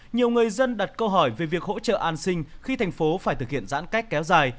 nhiều người dân đặt câu hỏi về việc hỗ trợ an sinh khi thành phố phải thực hiện giãn cách kéo dài